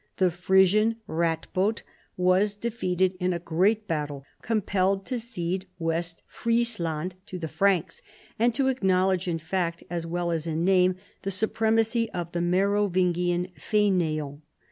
The Frisian Ratbod was defeated in a great battle, compelled to cede West Frieslaud to the Franks, and to acknowledge in fact as well as in name the supremacy of the Merovin gi dn yaineant.